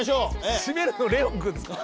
締めるのレオンくんですか？